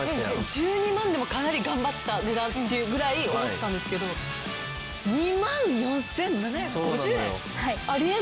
１２万でもかなり頑張った値段っていうぐらい思ってたんですけど２万４７５０円？あり得ないです。